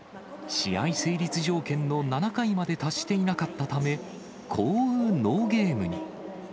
試合成立条件の７回まで達していなかったため、降雨ノーゲームに。